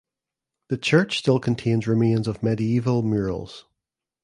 The church still contains remains of medieval murals.